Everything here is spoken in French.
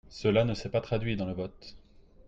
Cela ne s’est pas traduit dans le vote.